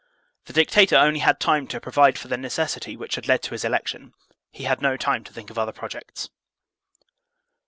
The dictator only had time to provide for the necessity which had led to his election; he had no time to think of other projects.